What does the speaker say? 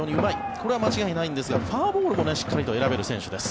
それは間違いないんですがフォアボールもしっかり選べる選手です。